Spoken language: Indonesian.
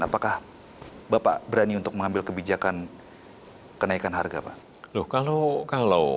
apakah bapak berani untuk mengambil kebijakan kenaikan harga pak